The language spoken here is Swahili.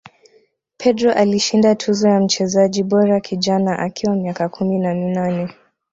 pedro alishinda tuzo ya mchezaji bora kijana akiwa miaka kumi na minane